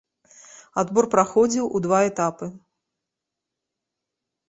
Адбор праходзіў у два этапы.